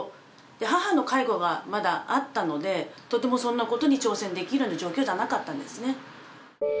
母の介護がまだあったので、とてもそんなことに挑戦できるような状況じゃなかったんですね。